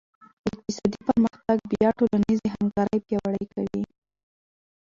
اقتصادي پرمختګ بیا ټولنیزې همکارۍ پیاوړې کوي.